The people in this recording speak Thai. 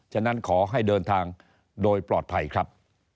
ฉะนั้นขอให้เดินทางโดยปลอดภัยครับ